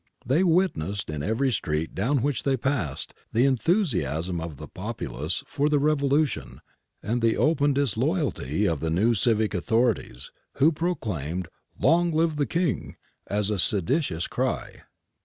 They witnessed, in every street down which they passed, the enthusiasm of the populace for the revolution and the open disloyalty of the new civic authorities, who had proclaimed ' Long live the King' as a seditious cry.